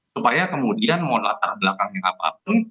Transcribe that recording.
supaya kemudian mohon latar belakangnya apa apa